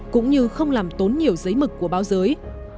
cũng như không làm tốn nhiều giấy mực của báo giới